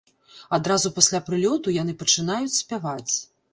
Адразу пасля прылёту яны пачынаюць спяваць.